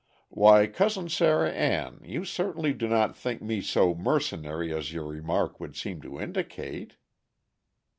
"Why, Cousin Sarah Ann, you certainly do not think me so mercenary as your remark would seem to indicate?"